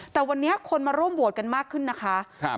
แต่วันนี้คนมาร่วมโหวตกันมากขึ้นนะคะ